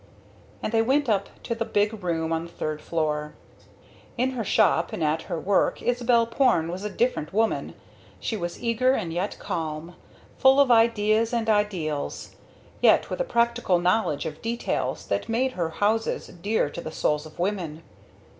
And they went up to the big room on the third floor. In her shop and at her work Isabel Porne was a different woman. She was eager and yet calm; full of ideas and ideals, yet with a practical knowledge of details that made her houses dear to the souls of women.